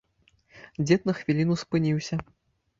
Дзед на хвіліну спыніўся.